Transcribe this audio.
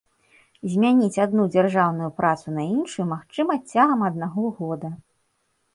Змяніць адну дзяржаўную працу на іншую магчыма цягам аднаго года.